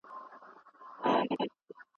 څېړونکی باید د کار پر مهال حوصله ولري.